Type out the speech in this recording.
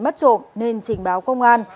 tổng tài sản hiện mất trộm nên trình báo công an